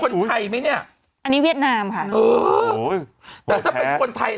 คนไทยไหมเนี่ยอันนี้เวียดนามค่ะเออโอ้ยแต่ถ้าเป็นคนไทย